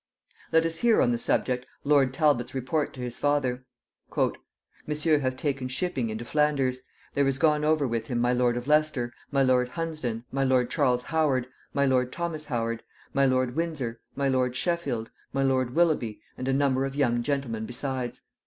Let us hear on the subject lord Talbot's report to his father. ..."Monsieur hath taken shipping into Flanders...there is gone over with him my lord of Leicester, my lord Hunsdon, my lord Charles Howard, my lord Thomas Howard, my lord Windsor, my lord Sheffield, my lord Willoughby, and a number of young gentlemen besides.